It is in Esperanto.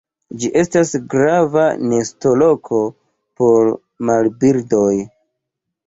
Ĝi estas grava nestoloko por marbirdoj.